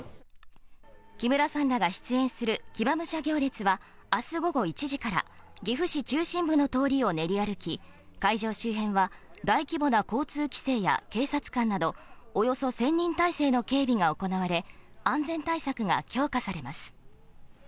木村さんらが出演する騎馬武者行列は、あす午後１時から、岐阜市中心部の通りを練り歩き、会場周辺は、大規模な交通規制や警察官など、およそ１０００人態勢の警備が行われ、安全対策が強化されます。